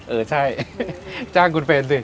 เออใช่จ้างคุณเฟรนสิ